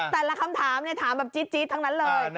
แต่ละคำถามถามแบบจี๊ดทั้งนั้นเลย